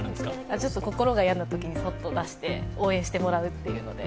ちょっと心が病んだときにそっと出して応援してもらうというので。